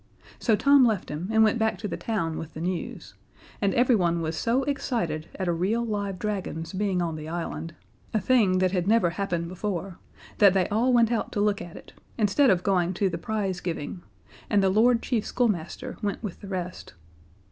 So Tom left him and went back to the town with the news, and everyone was so excited at a real live dragon's being on the island a thing that had never happened before that they all went out to look at it, instead of going to the prize giving, and the Lord Chief Schoolmaster went with the rest.